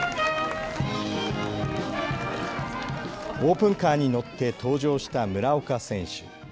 オープンカーに乗って登場した村岡選手。